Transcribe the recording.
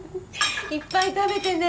いっぱい食べてね。